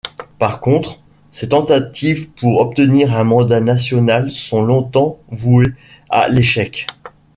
Par contre, ses tentatives pour obtenir un mandat national sont longtemps vouées à l’échec.